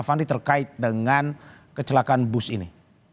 apakah ada yang terkait dengan kecelakaan bus ini